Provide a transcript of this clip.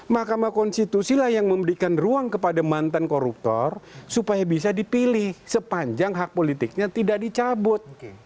mahkamah konstitusi lah yang memberikan ruang kepada mantan koruptor supaya bisa dipilih sepanjang hak politiknya tidak dicabut